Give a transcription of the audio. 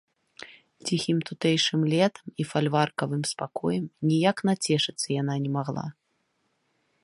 Ціхім тутэйшым летам і фальварковым спакоем ніяк нацешыцца яна не магла.